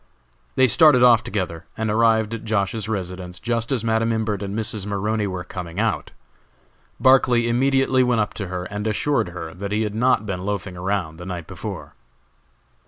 They started off together, and arrived at Josh.'s residence just as Madam Imbert and Mrs. Maroney were coming out. Barclay immediately went up to her and assured her that he had not been loafing around the night before.